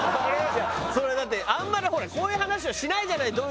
それはだってあんまりほらこういう話をしないじゃない。